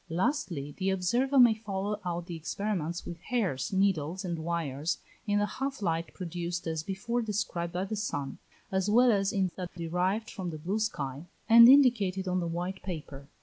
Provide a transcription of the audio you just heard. Lastly, the observer may follow out the experiments with hairs, needles, and wires, in the half light produced as before described by the sun, as well as in that derived from the blue sky, and indicated on the white paper.